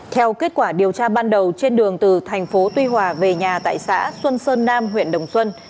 theo kết quả điều tra ban đầu trên đường từ thành phố tuy hòa về nhà tại xã xuân sơn nam huyện đồng xuân